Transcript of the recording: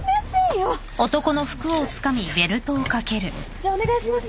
じゃお願いします。